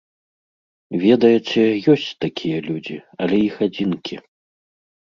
Ведаеце, ёсць такія людзі, але іх адзінкі.